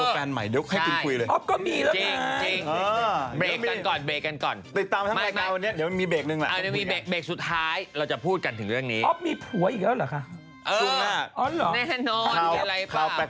เปิดตัวแฟนใหม่เดี๋ยวให้คุยเลย